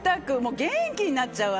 元気になっちゃうわ。